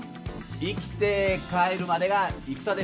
生きて帰るまでが戦です！